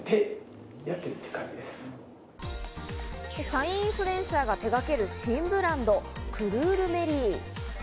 社員インフルエンサーが手がける新ブランド、クルールメリー。